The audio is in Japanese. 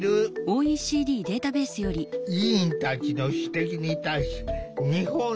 委員たちの指摘に対し日本政府は。